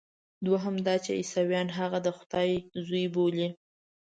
دوهم دا چې عیسویان هغه د خدای زوی بولي.